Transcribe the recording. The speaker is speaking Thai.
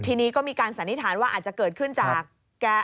ทีนี้ก็มีการสันนิษฐานว่าอาจจะเกิดขึ้นจากแก